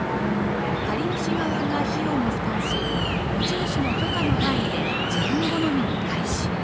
借主側が費用も負担し、持ち主の許可の範囲で自分好みに改修。